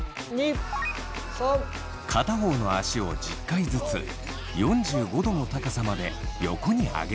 片方の足を１０回ずつ４５度の高さまで横に上げます。